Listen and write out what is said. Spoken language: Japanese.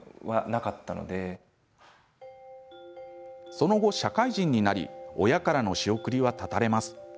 その後、社会人になり親からの仕送りは断たれます。